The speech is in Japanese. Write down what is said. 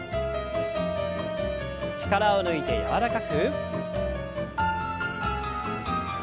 力を抜いて柔らかく。